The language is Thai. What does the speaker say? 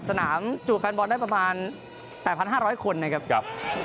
สนามจูบแฟนบอลได้ประมาณ๘๕๐๐คนนะครับ